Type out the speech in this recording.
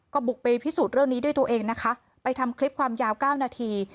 ก็บุกไปพิสูจน์เรื่องนี้ด้วยตัวเองนะคะไปทำคลิปความยาว๙นาที